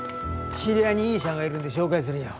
知り合いにいい医者がいるんで紹介するよ。